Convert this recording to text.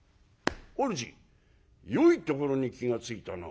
「主よいところに気が付いたな。